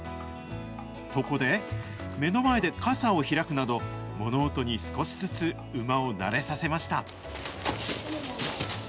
そこで、目の前で傘を開くなど、物音に少しずつ馬を慣れさせました。